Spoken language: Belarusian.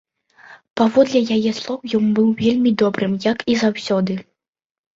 Паводле яе слоў, ён быў вельмі добрым, як і заўсёды.